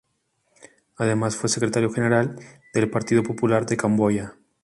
Además fue secretario general del Partido Popular de Camboya.